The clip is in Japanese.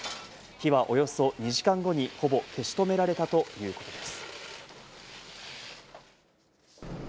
火はおよそ２時間後にほぼ消し止められたということです。